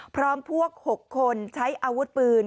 พร้อมพวก๖คนใช้อาวุธปืน